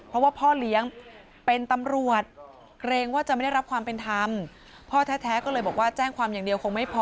เพราะว่าพ่อเลี้ยงเป็นตำรวจเกรงว่าจะไม่ได้รับความเป็นธรรมพ่อแท้ก็เลยบอกว่าแจ้งความอย่างเดียวคงไม่พอ